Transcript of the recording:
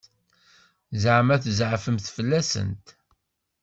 Ẓeɛma tzeɛfemt fell-asent?